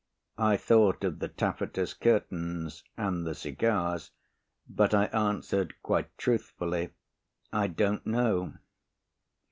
I thought of the taffetas curtains and the cigars, but I answered quite truthfully. "I don't know."